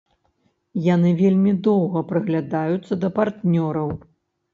Яны вельмі доўга прыглядаюцца да партнёраў.